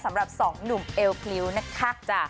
สำหรับสองหนุ่มเอลคลิ้วนะคะจ้ะ